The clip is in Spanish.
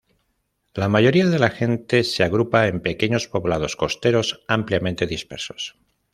La mayoría de la gente se agrupa en pequeños poblados costeros ampliamente dispersos.